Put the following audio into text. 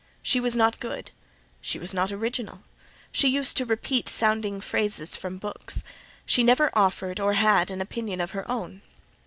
She was not good; she was not original: she used to repeat sounding phrases from books: she never offered, nor had, an opinion of her own.